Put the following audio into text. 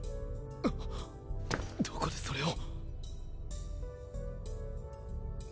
あっどこでそれを。